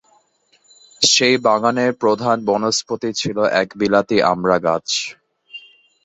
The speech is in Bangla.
সেই বাগানের প্রধান বনস্পতি ছিল একটা বিলাতি আমড়া গাছ।